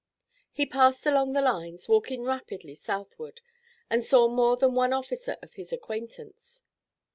He passed along the lines, walking rapidly southward, and saw more than one officer of his acquaintance.